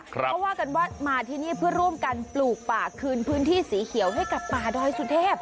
เขาว่ากันว่ามาที่นี่เพื่อร่วมกันปลูกป่าคืนพื้นที่สีเขียวให้กับป่าดอยสุเทพ